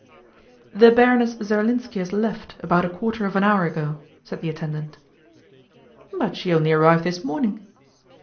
'The Baroness Zerlinski has left, about a quarter of an hour ago,' said the attendant. 'But she only arrived this morning.